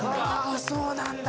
そうなんだ。